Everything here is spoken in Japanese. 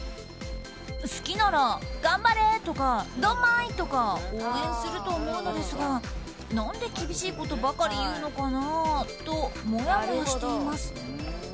好きなら頑張れ！とかドンマイ！とか応援すると思うのですが、何で厳しいことばかり言うのかなともやもやしています。